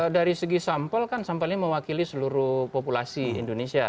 dari segi sampel kan sampelnya mewakili seluruh populasi indonesia